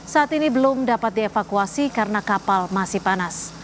saat ini belum dapat dievakuasi karena kapal masih panas